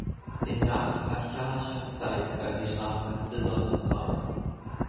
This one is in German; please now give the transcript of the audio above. In nacharchaischer Zeit galt die Strafe als besonders grausam.